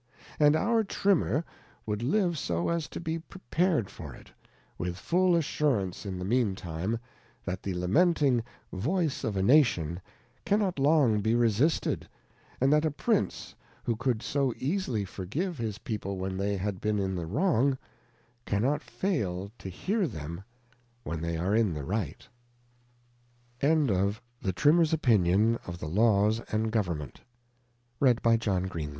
And our Trimmer would live so as to be prepared for it, with full assurance in the mean time, that the lamenting Voice of a Nation cannot long be resisted, and that a Prince who could so easily forgive his People when they had been in the wrong, cannot fail to hear jthem when they are in the right. The of a Trimmer. 67 The Trimmer's Opinion concerning the Protestant Religion. R